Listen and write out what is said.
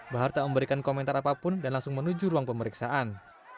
bahar tak memberikan komentar apapun dan langsung menuju ruang pemeriksaan